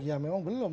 ya memang belum